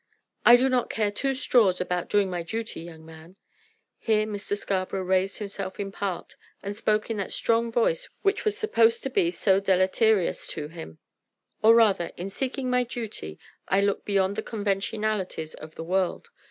"I do not care two straws about doing my duty, young man." Here Mr. Scarborough raised himself in part, and spoke in that strong voice which was supposed to be so deleterious to him. "Or rather, in seeking my duty, I look beyond the conventionalities of the world.